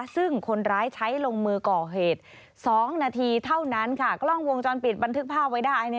ซึ่งคนร้ายใช้ลงมือก่อเหตุ๒นาทีเท่านั้นค่ะกล้องวงจรปิดบันทึกภาพไว้ได้